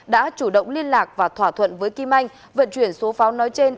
đã chủ động liên lạc và thỏa thuận với kim anh vận chuyển số pháo nói trên